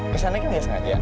kesannya kini yas ngajak